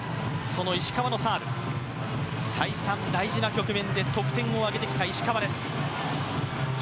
その石川のサーブ、再三大事な局面で得点を挙げてきた石川です。